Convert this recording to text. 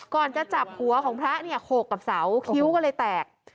ก่อนจะจับหัวของพระโขกกับเสาคิวก็เลยแตก